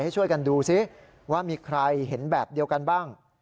ให้ช่วยกันดูสิว่ามีใครเห็นแบบเดียวกันบ้าง